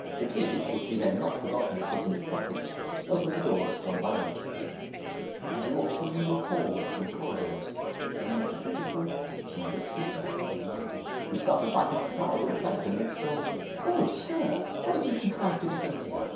The key, which he had not forgotten to put in his pocket, opened the doors one by one, and he walked through a number of halls and corridors, till he met a beautiful and richly dressed young lady who started back in surprise at the sight of him, and exclaimed, 'Oh, sir, how did you contrive to get in here?